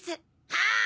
はい！